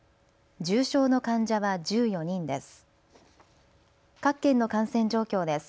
重症の患者は１４人です。